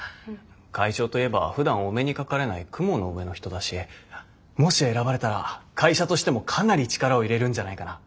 会長といえばふだんお目にかかれない雲の上の人だしもし選ばれたら会社としてもかなり力を入れるんじゃないかな。